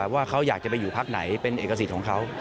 ว่าเขาอยากจะไปอยู่พักไหนเป็นเอกสิทธิ์ของเขา